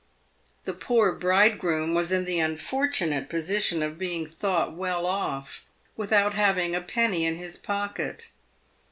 The poor bridegroom was in the unfortunate position of being thought well off, without having a penny in his pocket.